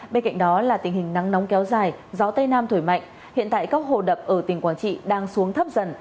bên cạnh đó là tình hình nắng nóng kéo dài gió tây nam thổi mạnh hiện tại các hồ đập ở tỉnh quảng trị đang xuống thấp dần